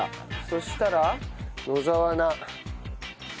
そしたら野沢菜。